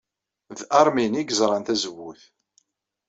D Armin ay yerẓan tazewwut.